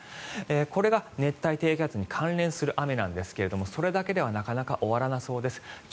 これが熱帯低気圧に関連する雨なんですがそれだけではなかなか終わらなそうです。